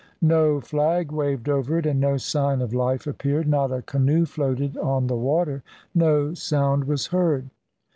No flag waved over it, and no sign of life appeared, not a canoe floated on the water, no sound was heard.